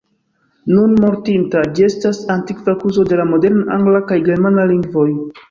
Nun mortinta, ĝi estas antikva kuzo de la moderna angla kaj germana lingvoj.